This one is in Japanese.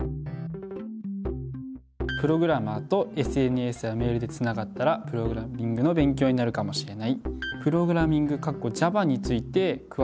プログラマーとＳＮＳやメールでつながったらプログラミングの勉強になるかもしれない。